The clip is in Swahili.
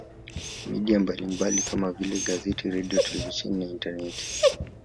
Media mbalimbali kama vile gazeti redio televisheni na intaneti